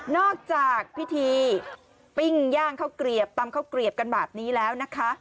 จากพิธีปิ้งย่างข้าวเกลียบตำข้าวเกลียบกันแบบนี้แล้วนะคะ